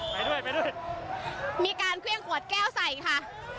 ไปด้วยไปด้วยมีการเครื่องขวดแก้วใส่ค่ะ